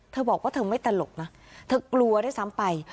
เธอบอกว่าเธอไม่ตลกนะเธอกลัวด้วยซ้ำไป